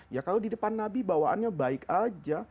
ya kalau di depan nabi bawaannya baik aja